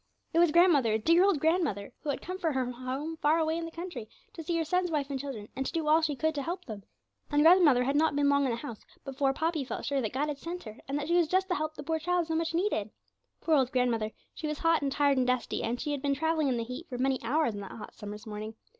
It was grandmother, dear old grandmother, who had come from her home far away in the country to see her son's wife and children, and to do all she could to help them. And grandmother had not been long in the house before Poppy felt sure that God had sent her, and that she was just the help the poor child so much needed. Poor old grandmother! she was hot and tired and dusty, and she had been travelling in the heat for many hours on that hot summer's morning.